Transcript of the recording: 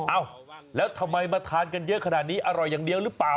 เอ้าแล้วทำไมมาทานกันเยอะขนาดนี้อร่อยอย่างเดียวหรือเปล่า